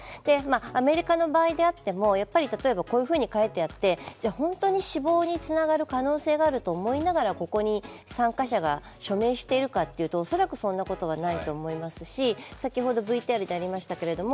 アメリカの場合であってもやっぱり例えばこういうふうに書いてあって、本当に死亡につながる可能性があると思いながら、ここに参加者が署名しているかというと恐らくそんなことはないと思いますし、先ほどＶＴＲでありましたけれども